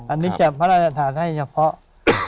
อันนี้จะพระราชทานให้เฉพาะ